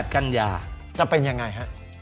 กัญญาจะเป็นยังไงฮะ